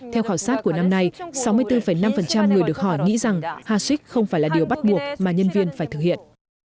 theo khảo sát của năm nay sáu mươi bốn năm người được hỏi nghĩ rằng hasek không phải là điều bắt buộc mà nhân viên phải thực hiện